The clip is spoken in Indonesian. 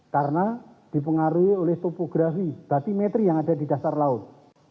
karena dipengaruhi oleh topografi batimetri yang ada di dasar laut